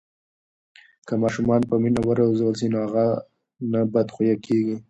که ماشوم په مینه و روزل سي نو هغه نه بدخویه کېږي.